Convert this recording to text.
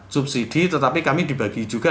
subsidi tetapi kami dibagi juga